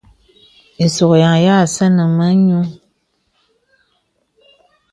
Isùkyan ya sɛ̂nì mə nyùù.